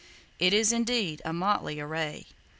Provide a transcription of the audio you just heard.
It is indeed a motley array.